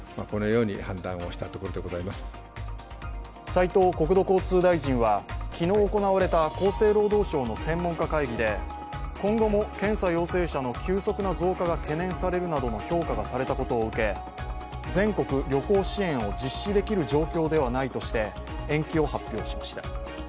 斉藤国土交通大臣は昨日行われた厚生労働省の専門家会議で、今後も検査陽性者の急速な増加が懸念されるなどの評価がされたことを受け全国旅行支援を実施できる状況ではないとして延期を発表しました。